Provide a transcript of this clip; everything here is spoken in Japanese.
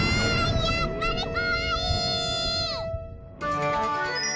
やっぱりこわい！